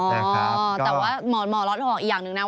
อ๋อแต่ว่าหมอล็อตบอกอีกอย่างหนึ่งนะ